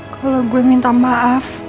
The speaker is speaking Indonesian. kalau gue minta maaf